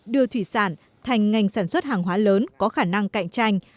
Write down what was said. đưa thủy sản thành ngành sản xuất hàng hóa lớn có khả năng cạnh tranh